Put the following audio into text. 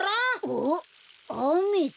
おおあめだ。